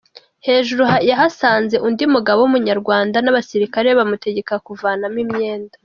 Hejuru yahasanze undi mugabo w’umunyarwanda n’abasirikare, bamutegeka kuvanamo imyenda.